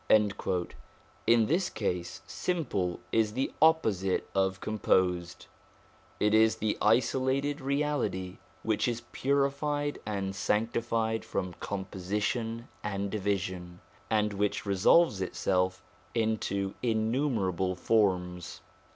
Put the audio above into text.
In this case, 'simple' is the opposite of 'composed'; it is the isolated Reality which is puri fied and sanctified from composition and division, and which resolves Itself into innumerable forms.